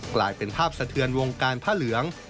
กลายเป็นภาพสะเทือนวงการผ้าเหลือง